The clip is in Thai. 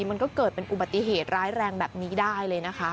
มันก็เกิดเป็นอุบัติเหตุร้ายแรงแบบนี้ได้เลยนะคะ